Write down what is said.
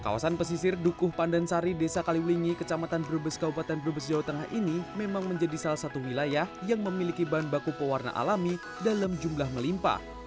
kawasan pesisir dukuh pandansari desa kaliwlingi kecamatan brebes kabupaten brebes jawa tengah ini memang menjadi salah satu wilayah yang memiliki bahan baku pewarna alami dalam jumlah melimpa